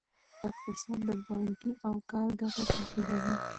اقتصاد د پانګې او کار ګټه تعقیبوي.